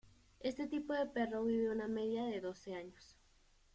Este tipo de perro vive una media de doce años.